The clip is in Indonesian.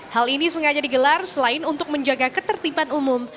hal ini sengaja digelar selain untuk menjaga ketertiban umum